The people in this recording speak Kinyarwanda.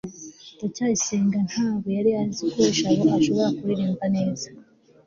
ndacyayisenga ntabwo yari azi ko jabo ashobora kuririmba neza